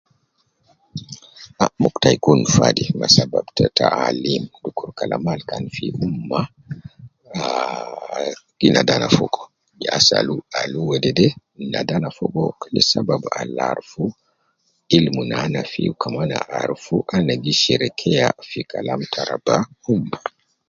Ah muku tai gi kun fadi ,ma sabab ta taalim, dukur kalama al kan fi umma, ahh, gi nadi ana fogo, je ase al wedede, nadi ana fogo, kila sabab al arufu ilmu nana fi, wu kaman arufu ana gi sherekeya fi kalam te raba umma